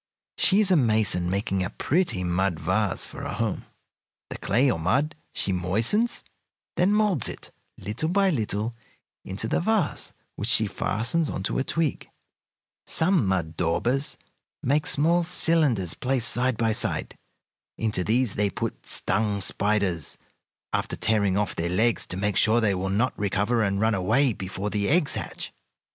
She is a mason, making a pretty mud vase for a home. The clay, or mud, she moistens, then moulds it, little by little, into the vase, which she fastens on to a twig. Some mud daubers make small cylinders placed side by side. Into these they put stung spiders, after tearing off their legs to make sure they will not recover and run away before the eggs hatch.